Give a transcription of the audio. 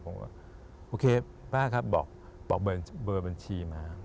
ผมก็โอเคป้าครับบอกเบอร์บัญชีมา